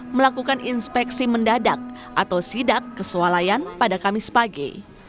melakukan inspeksi mendadak atau sidak kesualayan pada kamis pagi